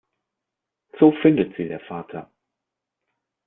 So findet sie der Vater.